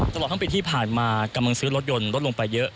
ตลอดทั้งปีที่ผ่านมากำลังซื้อรถยนต์ลดลงไปเยอะ